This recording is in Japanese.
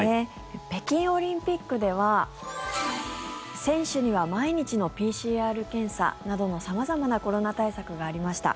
北京オリンピックでは選手には毎日のＰＣＲ検査などの様々なコロナ対策がありました。